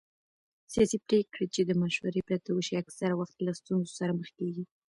سیاسي پرېکړې چې د مشورې پرته وشي اکثره وخت له ستونزو سره مخ کېږي